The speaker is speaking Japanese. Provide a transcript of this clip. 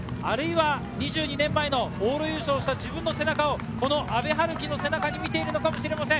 ２２年前の往路優勝した自分の背中を、この阿部陽樹の背中に見ているのかもしれません。